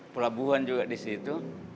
pelabuhan juga di situ